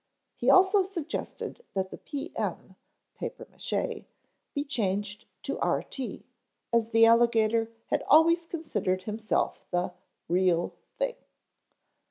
He also suggested that the P. M. (papier mache) be changed to R. T., as the alligator had always considered himself the Real Thing.